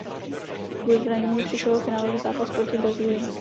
Kvůli zranění přišel o finálový zápas proti Brazílii.